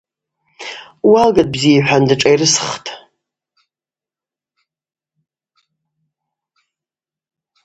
Уалгатӏ, бзи,— йхӏван дашӏайрысхтӏ.